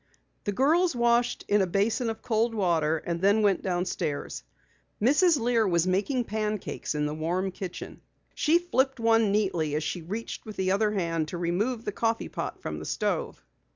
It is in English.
The girls washed in a basin of cold water and then went downstairs. Mrs. Lear was baking pancakes in the warm kitchen. She flipped one neatly as she reached with the other hand to remove the coffee pot from the stove.